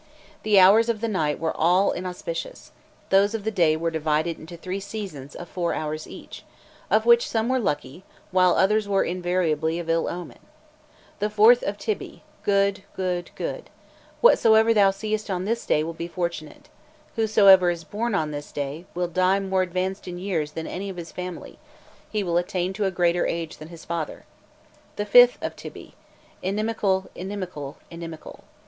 The hours of the night were all inauspicious; those of the day were divided into three "seasons" of four hours each, of which some were lucky, while others were invariably of ill omen. "The 4th of Tybi: good, good, good. Whatsoever thou seest on this day will be fortunate. Whosoever is born on this day, will die more advanced in years than any of his family; he will attain to a greater age than his father. The 5th of Tybi: inimical, inimical, inimical.